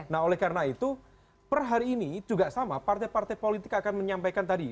nah oleh karena itu per hari ini juga sama partai partai politik akan menyampaikan tadi